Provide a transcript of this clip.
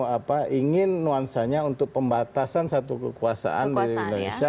apa ingin nuansanya untuk pembatasan satu kekuasaan di indonesia